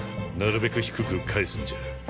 なるべく低く返すんじゃ。